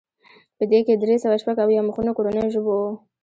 په دې کې درې سوه شپږ اویا مخونه کورنیو ژبو وو.